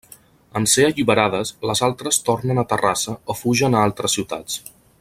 En ser alliberades, les altres tornen a Terrassa o fugen a altres ciutats.